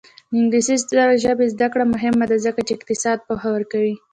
د انګلیسي ژبې زده کړه مهمه ده ځکه چې اقتصاد پوهه ورکوي.